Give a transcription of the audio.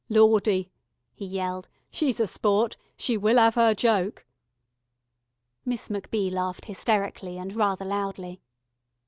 "Lawdy," he yelled. "She's a sport. She will 'ave 'er joke." Miss MacBee laughed hysterically and very loudly.